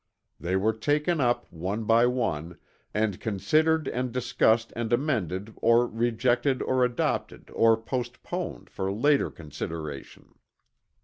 They were taken up one by one, and considered and discussed and amended or rejected or adopted or postponed for later consideration.